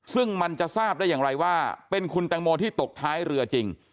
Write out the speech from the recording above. ซึ่งมันจะทราบได้อย่างไรว่าเป็นคุณแตงโมที่ตกท้ายเรือจริง